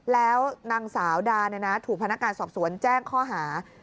แล้วนางสาวดาถูกพนักงานสอบสวนแจ้งข้อหา